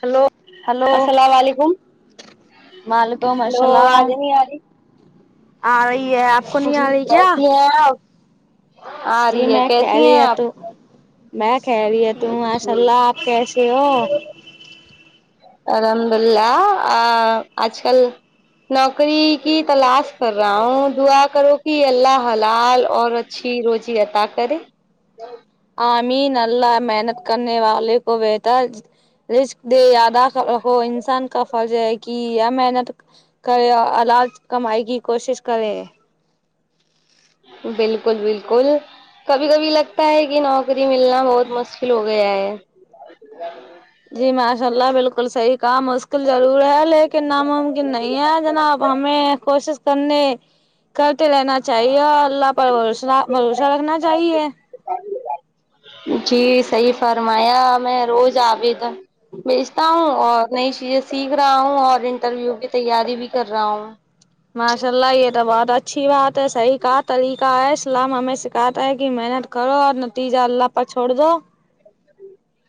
hello hello السلام علیکم وعلیکم ہلو السلام آواز نہیں آ رہی آ رہی ہے آپ کو نہیں آ رہی کیا ہاں جی میں خیریت آپ ہوں میں خیریت ہوں ماشاء جی اللہ کیسے ہو الحمد اللہ آ آ آج کل نوکری کی تلاش کر رہا ہوں دعا کرو کہ اللہ حلال اور اچھی روزی عطا کرے آمین اللہ محنت کرنے والے کو بہتر رزق دے آدھاساو ہو انسان کا فرض ہے کہ آ محنت کرے اور علاج کمائی کی کوشش کرے بالکل بالکل کبھی کبھی لگتا ہے کہ نوکری ملنا بہت مشکل ہو گیا ہے جی ماشاء اللہ بالکل صحیح کہا مشکل ضرور ہے لیکن ناممکن نہیں ہے جناب ہمیں کوشش کرنے کرتے رہنا چاہیے اور اللہ پر بھروسہ بھروسہ رکھنا چاہیے جی صحیح فرمایا میں روز آگںی تو بیچتا ہوں اور نئی چیزیں سیکھ رہا ہوں اور انٹرویو کی تیاری بھی کر رہا ہوں ماشاء اللہ یہ تو بہت اچھی بات ہے صحیح کہا طریقہ ہے اسلام ہمیں سکھاتا ہے کہ محنت کرو اور نتیجہ اللہ پر چھوڑ دو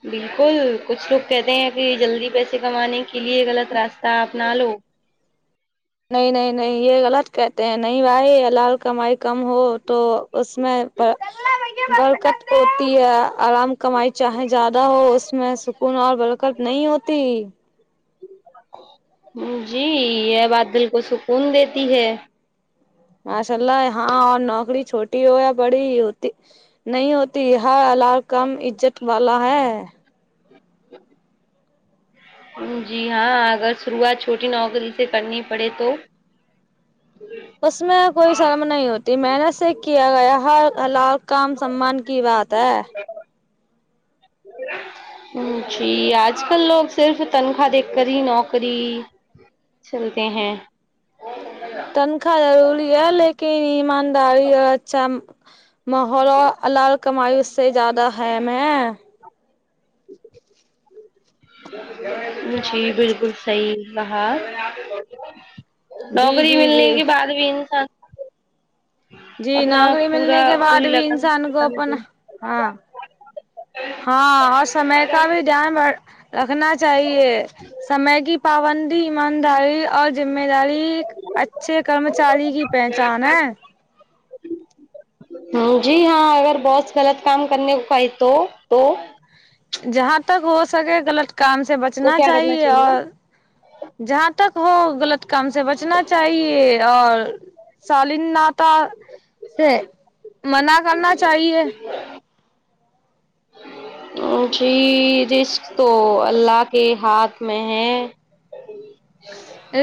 بالکل کچھ لوگ کہتے ہیں کہ جلدی پیسے کمانے کے لیے غلط راستہ اپنا لو نہیں نہیں نہیں یہ غلط کہتے ہیں نہیں بھائی حلال کمائی کم ہو تو اس میں بر برکت کو ہوتی ہے حرام کمائی چاہے زیادہ ہو اس میں سکون اور برکت نہیں ہوتی جی یہ بات دل کو سکون دیتی ہے ماشاء اللہ ہاں اور نوکری چھوٹی ہو یا بڑی ہوتی نہیں ہوتی ہر حلال کم عزت والا ہے جی ہاں اگر شروعات چھوٹی نوکری سے کرنی پڑے تو اس میں کوئی شرم نہیں ہوتی محنت سے کیا گیا ہر حلال کام سمان کی بات ہے ج ا جی آج کل لوگ صرف تنخواہ دیکھ کر ہی نوکری چلتے ہیں تنخواہ ضروری ہے لیکن ایمانداری اور اچھا ماحول اور الار کمائی اس سے زیادہ ہیم ہیں ج جی بالکل صحی رہال جی نوکری جی جی ملنے کے بعد بھی انسان جی اپنا نوکری پورا ملنے کے بعد پوری بھی لگان انسان کو اپن ہاں ہاں اور سمے کا بھی دھیان رکھنا چاہیے سمے کی پابندی ایمانداری اور ذمہ داری اچھے کرمچاری کی پہچان ہے ج ہ جی ہاں اگر بہتس غلط کام کرنے کو کائی تو تو جہاں تک ہو سکے غلط کام سے تو بچنا کیا کرنا چاہیے اور جہاں تک ہو غلط کم سے بچنا چاہیے اور سالین نتا سے منع کرنا چاہیے جی رسک تو اللہ کے ہاتھ میں ہے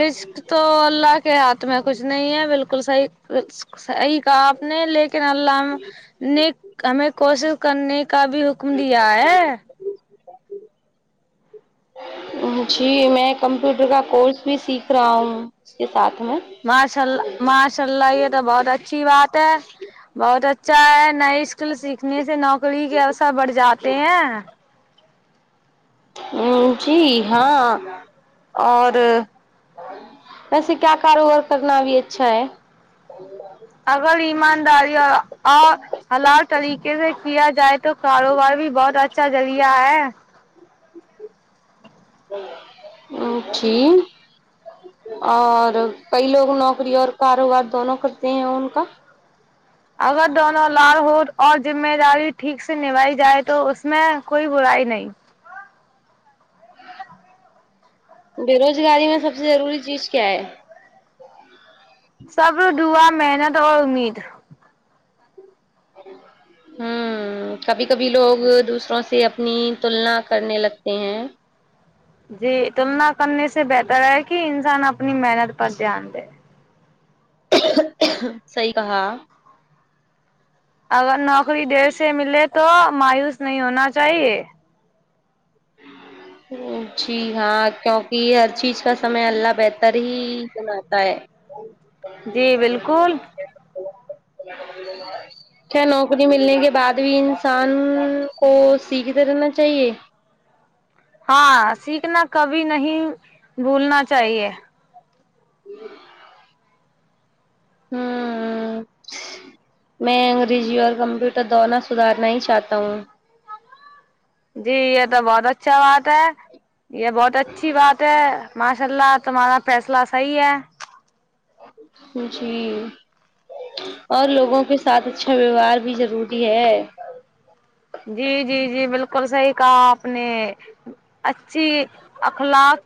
رشق تو اللہ کے ہاتھ میں کچھ نہیں ہے بالکل صحیح صحیح کہا آپ نے لیکن اللہ نے ہمیں کوشش کرنے کا بھی حکم دیا ہے جی میں کمپیوٹر کا کورس بھی سیکھ رہا ہوں اس کے ساتھ میں ماشاء اللہ ماشاء اللہ یہ تو بہت اچھی بات ہے بہت اچھا ہے نئے اسکل سیکھنے سے نوکری کے اوسر بڑھ جاتے ہیں ہ جی ہاں اور ویسے کیا کاروبار کرنا ابھی اچھا ہے اگر ایمانداری اور اور ہلؤ طریقے سے کیا جائے تو کاروبار بھی بہت اچھا لیا ہے اچھی اور کئی لوگ نوکری اور کاروبار دونوں کرتے ہیں ان کا اگر دونوں لال ہو اور ذمہ داری ٹھیک سے نبھائی جائے تو اس میں کوئی برائی نہیں بے روزگاری میں سب سے ضروری چیز کیا ہے سب ر ڈا محنت اور امید ہوں کبھی کبھی لوگ دوسروں سے اپنی تلنا کرنے لگتے ہیں جی تلنا کرنے سے بہتر ہے کہ انسان اپنی محنت پر دھیان دے صی کہااں اگر نوکری دیر سے ملے تو مایوس نہیں ہونا چاہیے جی ہاں کیونکہ ہر چیز کا سمے اللہ بہتر ہی بناتا ہے جی بالکل چے نوکری ملنے کے بعد بھی انسان کو سیکھتے رہنا چاہیے ہاں سیکھنا کبھی نہیں بھولنا چاہیے ہی [inaudible] ہوں میں انگریزی اور کمپیوٹر دونوں سدھارنا ہی چاہتا ہوں جی یہ تو بہت اچھا بات ہے یہ بہت اچھی بات ہے ماشاء اللہ تمہارا فیصلہ صحیح ہے م جی اور لوگوں کے ساتھ اچھا ویوہار بھی ضروری ہے جی جی جی بالکل صحیح کہا آپ نے اچھی اخلاق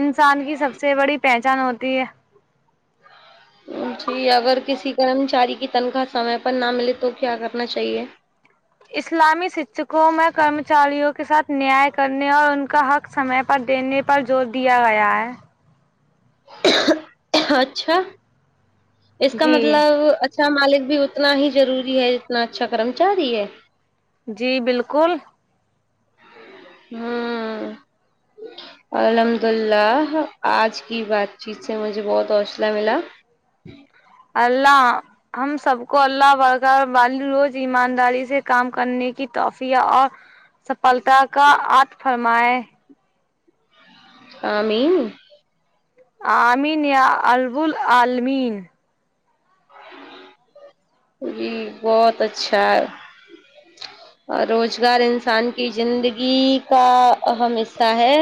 انسان کی سب سے بڑی پہچان ہوتی ہے جی اگر کسی کرمچاری کی تنخواہ سمے پر نہ ملے تو کیا کرنا چاہیے اسلامی شکشکوں میں کرمچاریوں کے ساتھ نیائے کرنے اور ان کا حق سمے پر دینے پر زور دیا گیا ہے اچھا اس کا جی مطلب اچھا مالک بھی اتنا ہی ضروری ہے جتنا اچھا کرمچاری ہے جی بالکل ہوں الحمد للہ آج کی بات چیت سے مجھے بہت حوصلہ ملا اللہ ہم سب کو اللہ رک وال روز ایمانداری سے کام کرنے کی توحفع اور سفلتا کا آت فرمائیں آمین آمین یا ال بل آلمین جی بہت اچھا ہے اور روزگار انسان کی زندگی کا اہم حصہ ہے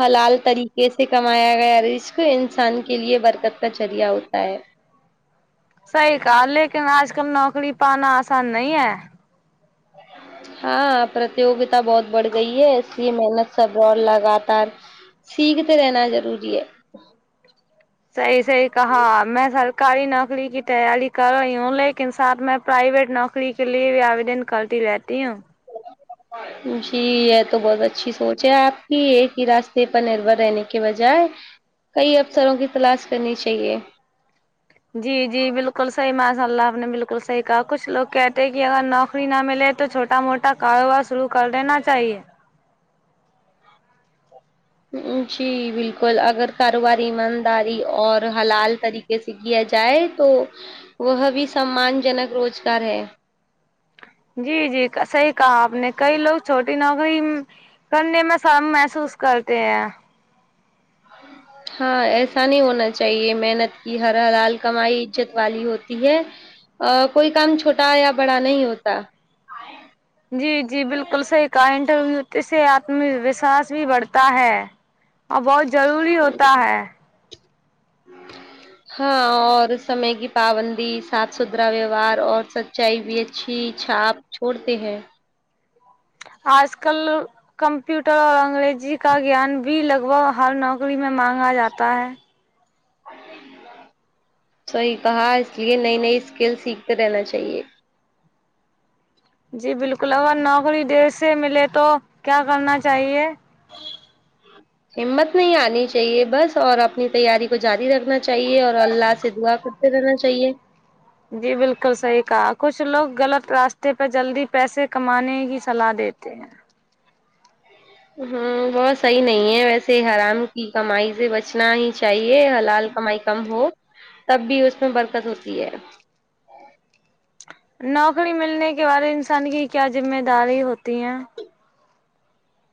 حلال طریقے سے کمایا گیا رزق انسان کے لیے برکت کا ذریعہ ہوتا ہے صحیح کہا لیکن آج کل نوکری پانا آسان نہیں ہے ہاں پرتیوگتا بہت بڑھ گئی ہے اس لیے محنت صبر اور لگاتار سیکھتے رہنا ضروری ہے صحیح صحیح کہا میں سر کاری نوکری کی تیاری کر رہی ہوں لیکن ساتھ میں پرائیویٹ نوکری کے لیے بھی آودن کرتی رہتی ہوں [inaudible] جی یہ تو بہت اچھی سوچ ہے آپ کی ایک ہی راستے پر نربر رہنے کے بجائے کئی افسروں کی تلاش کرنی چاہیے جی جی بالکل صحیح ماشا اللہ آپ نے بالکل صحیح کہا کچھ لوگ کہتے کہ اگر نوکری نہ ملے تو چھوٹ چھوٹا موٹا کاروبار شروع کر دینا چاہیے جی بالکل اگر کاروباری ایمانداری اور حلال طریقے سے کیا جائے تو وہ بھی سمان جنک روزگار ہے جی جی صحیح کہا آپ نے کئی لوگ چھوٹی نوکری کرنے میں شرم محسوس کرتے ہیں [inaudible] ہاں ایسا نہیں ہونا چاہیے محنت کی ہر حلال کمائی عزت والی ہوتی ہے آ کوئی کام چھوٹا یا بڑا نہیں ہوتا جی جی بالکل صحیح کہ انٹرویو سے آتم ووشواس بھی بڑھتا ہے اور بہت ضروری ہوتا ہے [inaudible] ہاں اور سمے کی پابندی صاف ستھرا ویوہار اور سچائی بھی اچھی چھاپ چھوڑتے ہیں آج کل کمپیوٹر اور انگریزی کا گیان بھی لگ بھگ ہر نوکری میں مانگا جاتا ہے صحیح کہا اس لیے نئی نئی اسکل سیکھتے رہنا چاہیے جی بلکل اگر نوکری دیر سے ملے تو کیا کرنا چاہیے ہمت نہیں ہار نی چاہیے بس اور اپنی تیاری کو جاری رکھنا چاہیے اور اللہ سے دعا کر رہنا چاہیے جی بلکل صحیح کہا کچھ لوگ غلط راستے پہ جلدی پیسے کمانے کی صلاح دیتے ہیں ہ وہ صحیح نہیں ہے ویسے حرام کی کمائی سے بچنا ہی چاہیے حلال کمائی کم ہو تب بھی اس میں برکت ہوتی ہے نوکری ملنے کے بارے میں انسان کی کیا ذمہ داری ہوتی ہیں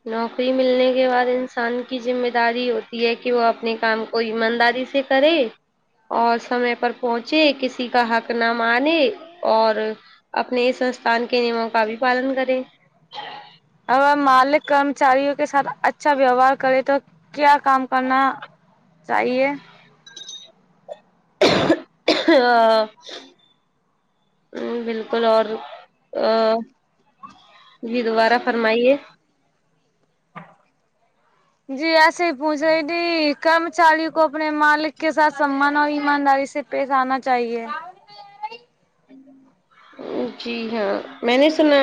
نوکری ملنے کے بعد انسان کی ذمہ داری ہوتی ہے کہ وہ اپنے کام کو ایمانداری سے کرے اور سمے پر پہنچے کسی کا حق نہ مانے اور اپنے اس سستھان کے نیموں کا بھی پالن کریں اگر مالک کرمچاریوں کے ساتھ اچھا ویوہار کرے تو کیا کام کرنا چاہیے ہ ہ بلکل اور ا جی دوبارہ فرمائیے جی ایسے ہی پوچھ رہی تھی کرمچاری کو اپنے مالک کے ساتھ سمان اور ایمانداری سے پیش آنا چاہیے جی ہاں میں نے سنا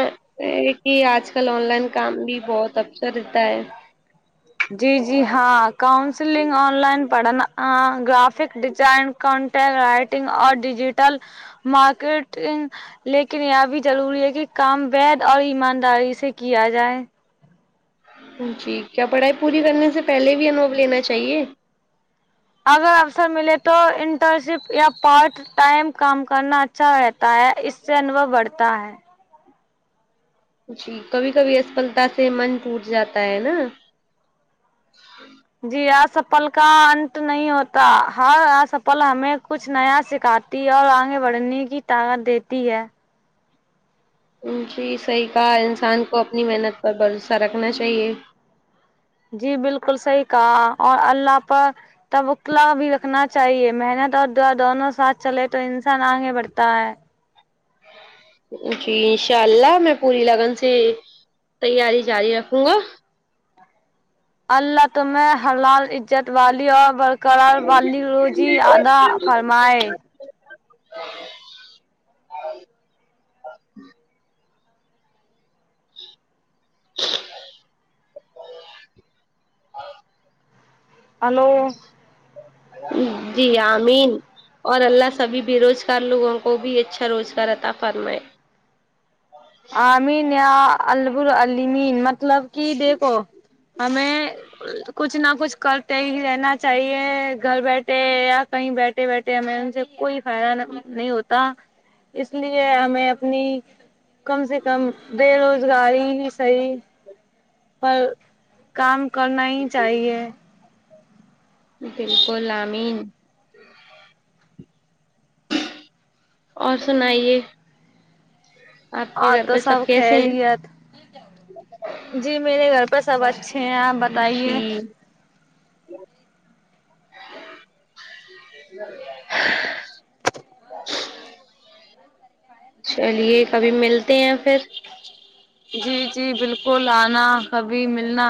کہ آج کل آن لائن کام بھی بہت افسر رہتا ہے جی جی ہاں کاؤنسلنگ آن لائن پڑھنا گرافک ڈیزائن کنٹینٹ رائٹنگ اور ڈیجیٹل مارکیٹنگ لیکن یہاں بھی ضروری ہے کہ کام وید اور ایمانداری سے کیا جائے جی کیا پڑھائی پوری کرنے سے پہلے بھی انھو لینا چاہیے اگر افسر ملے تو انٹرن شپ یا پارٹ ٹائم کم کرنا اچھا رہتا ہے اس سے انبھو بڑھتا ہے جی کبھی کبھی اسفلتا سے من ٹوٹ جاتا ہے نا جی آسفل کا انت نہیں ہوتا ہر آسفل ہمیں کچھ نیا سکھا تی اور آگے بڑھنے کی طاقت دیتی ہے جی صحیح کہا انسان کو اپنی محنت پر بھروسہ رکھنا چاہیے جی بلکل صحیح کہا اور اللہ پر توکل لا بھی رکھنا چاہیے محنت اور دعا دونوں ساتھ چلے تو انسان آگے بڑھتا ہے جی انشاء اللہ میں پوری لگن سے تیاری جاری رکھوں گا اللہ تم حلال عزت والی اور کرار والی روزی عطا فرمائے ہلو جی آمین اور اللہ سبھی بے روزگار لوگوں کو بھی اچھا روزگار عطا فرمائے آمین یا رب العمین مطلب کہ دیکھو ہمیں کچھ نہ کچھ کرتے ہی رہنا چاہیے گھر بیٹھے یا کہیں بیٹھ بیٹھے بیٹھے ہمیں ان سے کوئی فائدہ نہیں ہوتا اس لیے ہمیں اپنی کم سے کم بے روزگاری ہی صحیح پر کام کرنا ہی چاہیے بلکل آمین اور سنائیے آپ کے آں گھر تو پہ سب کیسے ہیں خیریت جی میرے گھر پہ سب اچھے ہیں آپ بتائیے جی [inaudible] چلیے کبھی ملتے ہیں پھر جی جی بالکل آنا کبھی ملنا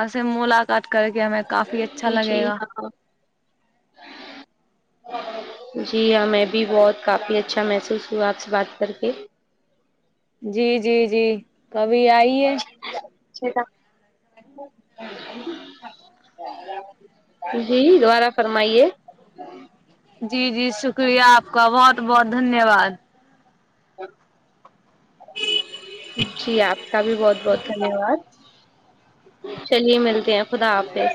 آپ سے ملاقات کر کے ہمیں کافی اچھا لگے جی گا ہاں جی ہمیں بھی بہت کافی اچھا محسوس ہوا آپ سے بات کر کے جی جی جی کبھی آئیے [unintelligible] جی دوبارہ فرمائیے جی جی شکریہ آپ کا بہت بہت دھنی واد جی آپ آپ کا بھی بہت بہت دھنیواد چلیے ملتے ہیں خدا حافظ